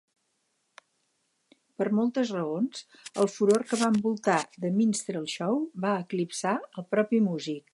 Per moltes raons, el furor que va envoltar "The Minstrel Show" va eclipsar al propi music.